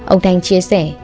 ông thanh chia sẻ